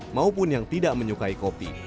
maupun yang tidak menyukai kopi